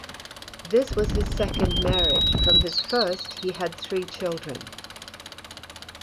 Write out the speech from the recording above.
This was his second marriage; from his first, he had three children.